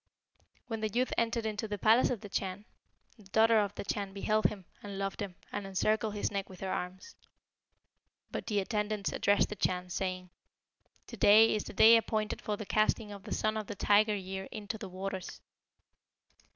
When the youth entered into the palace of the Chan, the daughter of the Chan beheld him and loved him, and encircled his neck with her arms. But the attendants addressed the Chan, saying, 'To day is the day appointed for the casting of the Son of the Tiger year into the waters.'